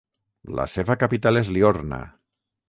La seva capital és Liorna.